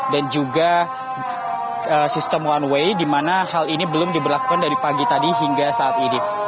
dan juga sistem one way di mana hal ini belum diberlakukan dari pagi tadi hingga saat ini